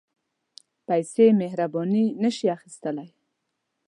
پېسې مهرباني نه شي اخیستلای.